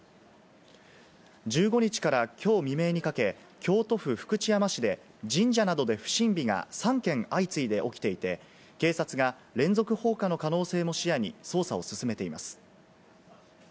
１５日からきょう未明にかけ、京都府福知山市で、神社などで不審火が３件相次いで起きていて、警察が連続放火の可能性も視野に捜査を進めています。